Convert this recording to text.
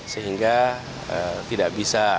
sehingga tidak bisa